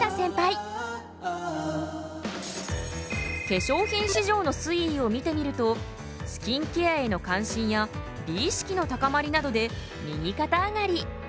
化粧品市場の推移を見てみるとスキンケアへの関心や美意識の高まりなどで右肩上がり。